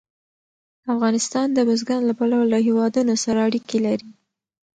افغانستان د بزګانو له پلوه له هېوادونو سره اړیکې لري.